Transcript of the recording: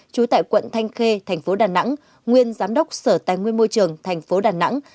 trú tại quận thanh khê thành phố đà nẵng nguyên giám đốc sở tài nguyên môi trường thành phố đà nẵng